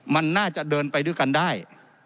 มันน่าจะเดินไปด้วยกันได้